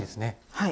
はい。